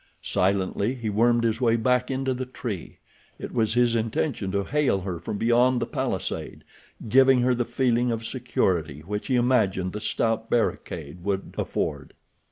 Silently he wormed his way back into the tree. It was his intention to hail her from beyond the palisade, giving her the feeling of security which he imagined the stout barricade would afford.